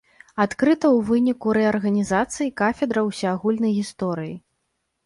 Адкрыта у выніку рэарганізацыі кафедра ўсеагульнай гісторыі.